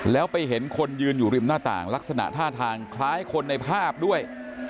แล้วไปเห็นคนยืนอยู่ริมหน้าต่างลักษณะท่าทางคล้ายคนในภาพด้วย